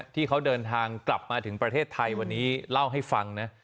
ที่เขาเดินทางกลับมาถึงประเทศไทยวันนี้เล่าให้ฟังนะ